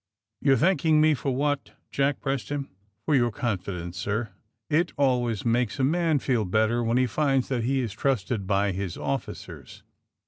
^^You^re thanking me for what?" Jack pressed him. '^For your confidence, sir. It always makes a man feel better when he finds that he is trusted by his officers."